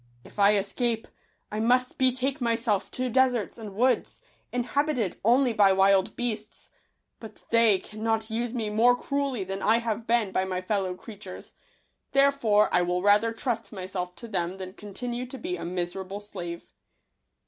If I escape, I must betake myself to deserts and woods, inhabited only by wild beasts ; but they cannot use me more cruelly than I have been by my fellow creatures, therefore I will rather trust myself to them than continue to be a miserable slave."